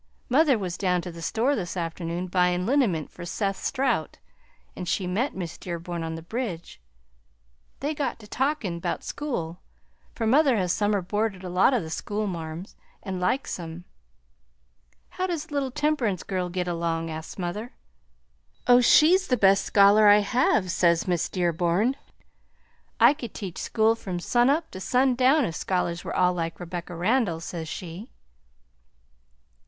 Mother was down to the store this afternoon buyin' liniment for Seth Strout, an' she met Miss Dearborn on the bridge. They got to talkin' 'bout school, for mother has summer boarded a lot o' the schoolmarms, an' likes 'em. 'How does the little Temperance girl git along?' asks mother. 'Oh, she's the best scholar I have!' says Miss Dearborn. 'I could teach school from sun up to sun down if scholars was all like Rebecca Randall,' says she."